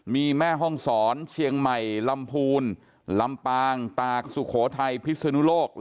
มีแม่ห้องศรเชียงใหม่ลำพูนลำปางตากสุโขทัยพิศนุโลก